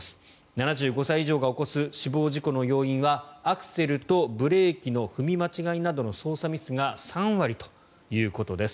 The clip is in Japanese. ７５歳以上が起こす死亡事故の要因はアクセルとブレーキの踏み間違いなどの操作ミスが３割ということです。